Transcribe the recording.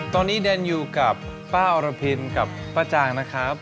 ตอนนี้เดนอยู่กับป้าอรพินกับป้าจางนะครับ